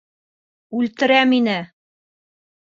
Үлтерә мине!